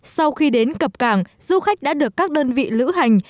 sau khi đến cập cảng du khách đã được các đơn vị lữ hành